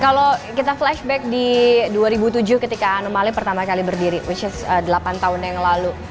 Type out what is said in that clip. kalau kita flashback di dua ribu tujuh ketika anomali pertama kali berdiri which is delapan tahun yang lalu